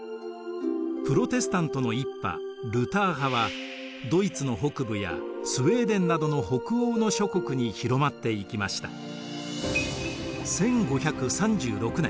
プロテスタントの一派ルター派はドイツの北部やスウェーデンなどの北欧の諸国に広まっていきました。